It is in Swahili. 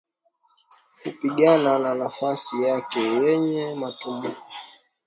hupigana na nafsi yake yenye matamanio ya chini ambayo huzaa